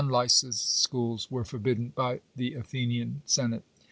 licensed schools were forbidden by the Athenian senate.